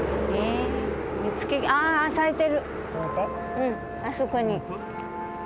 うんあそこに。